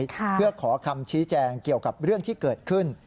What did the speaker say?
เพื่อขอคำชี้แจงเกี่ยวกับเรื่องที่เกิดขึ้น